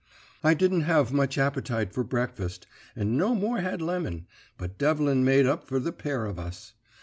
"I didn't have much appetite for breakfast, and no more had Lemon, but Devlin made up for the pair of us.